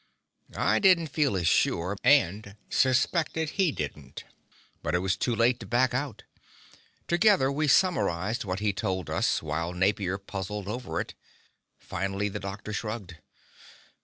I didn't feel as sure, and suspected he didn't. But it was too late to back out. Together, we summarized what he'd told us, while Napier puzzled over it. Finally the doctor shrugged.